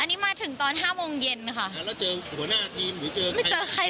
อันนี้มาถึงตอนห้าโมงเย็นค่ะแล้วเจอหัวหน้าทีมหรือเจอใครเจอใคร